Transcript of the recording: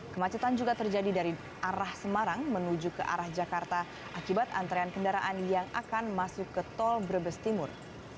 kemacetan juga terjadi dari arah semarang menuju ke arah jakarta akibat antrean kendaraan yang akan masuk ke tol brebes timur